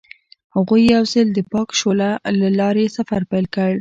هغوی یوځای د پاک شعله له لارې سفر پیل کړ.